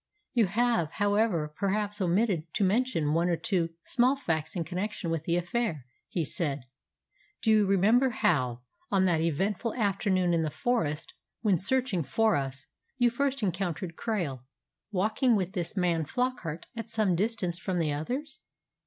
"You have, however, perhaps omitted to mention one or two small facts in connection with the affair," he said. "Do you not remember how, on that eventful afternoon in the forest, when searching for us, you first encountered Krail walking with this man Flockart at some distance from the others?"